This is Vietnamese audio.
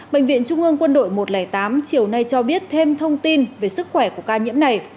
bệnh viện trung ương quân đội một trăm linh tám chiều nay cho biết thêm thông tin về sức khỏe của ca nhiễm này